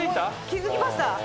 気付きました。